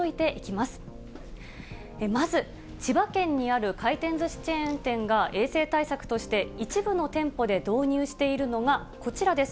まず、千葉県にある回転ずしチェーン店が衛生対策として一部の店舗で導入しているのが、こちらです。